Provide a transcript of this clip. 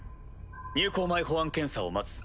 入港前保安検査を待つ。